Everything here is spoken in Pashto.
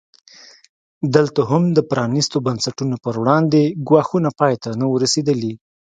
دلته هم د پرانیستو بنسټونو پر وړاندې ګواښونه پای ته نه وو رسېدلي.